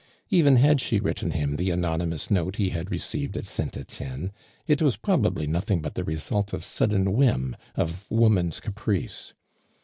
Even had she written him the anonymous note he had received at St. Etienne, it was probably nothing but the result of sudden whim, of woman's caprice.